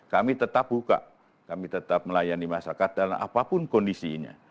kami tetap buka kami tetap melayani masyarakat dan apapun kondisinya